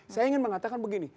saya ingin mengatakan begini